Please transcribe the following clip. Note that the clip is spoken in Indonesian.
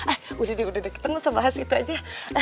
eh udah deh udah deh kita gak usah bahas itu aja ya